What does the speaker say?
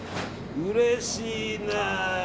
うれしいな。